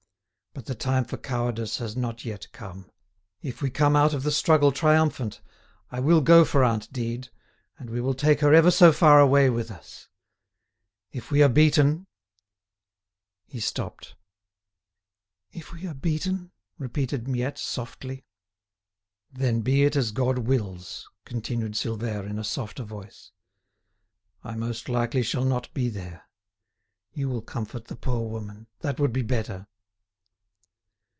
But the time for cowardice has not yet come. If we come out of the struggle triumphant, I will go for aunt Dide, and we will take her ever so far away with us. If we are beaten——" He stopped. "If we are beaten?" repeated Miette, softly. "Then be it as God wills!" continued Silvère, in a softer voice. "I most likely shall not be there. You will comfort the poor woman. That would be better."